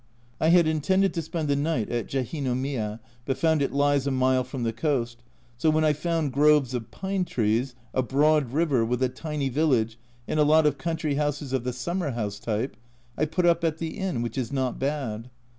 I had intended to spend the night at Jehinomiya, but found it lies a mile from the coast, so when I found groves of pine trees, a broad river, with a tiny village and a lot of country houses of the summer house type, I put up at the inn, which is not bad.